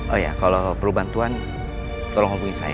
oh iya kalau perlu bantuan tolong hubungi saya ya